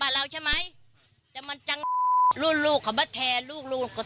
แต่พระความจำกรับว่าเกิดขุมลัดครัว